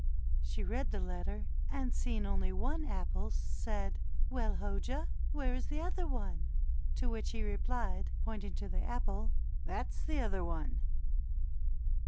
She read the letter, and seeing only one apple, said, "Well, Hoja, and where is the other one?" To which he replied, pointing to the apple, "That's the other one."